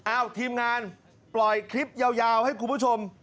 ทีมงานปล่อยคลิปยาวให้คุณผู้ชม